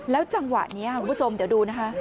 จังหวะนี้คุณผู้ชมเดี๋ยวดูนะคะ